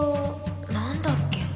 何だっけ？